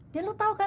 dan lo tau kan